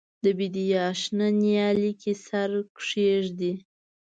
د بیدیا شنه نیالۍ کې سر کښېږدي